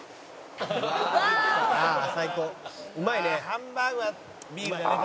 「ハンバーグはビールだよね確かに」